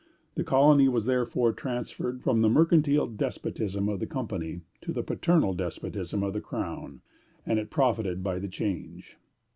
The colony was therefore transferred from the mercantile despotism of the Company to the paternal despotism of the Crown, and it profited by the change.